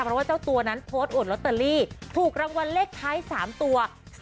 เพราะว่าเจ้าตัวนั้นโพสต์อวดลอตเตอรี่ถูกรางวัลเลขท้าย๓ตัว